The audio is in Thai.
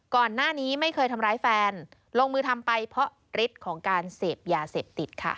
ก่อนหน้านี้ไม่เคยทำร้ายแฟนลงมือทำไปเพราะฤทธิ์ของการเสพยาเสพติดค่ะ